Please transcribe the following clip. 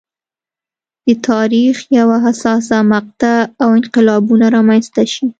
د تاریخ یوه حساسه مقطعه او انقلابونه رامنځته شي.